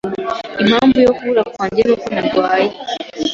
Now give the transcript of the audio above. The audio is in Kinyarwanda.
Impamvu yo kubura kwanjye nuko narwaye.